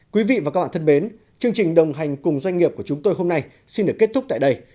quý vị và các bạn thân mến chương trình đồng hành cùng doanh nghiệp của chúng tôi hôm nay xin được kết thúc tại đây